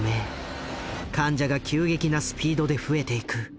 患者が急激なスピードで増えていく。